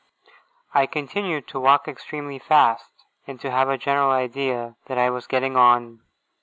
I continued to walk extremely fast, and to have a general idea that I was getting on.